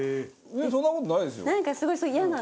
そんな事ないですよ。